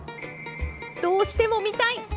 どうしても見たい。